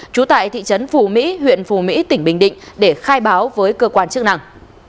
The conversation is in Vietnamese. trú tại thị trấn phù mỹ huyện phù mỹ tỉnh bình định để khai báo với cơ quan chức năng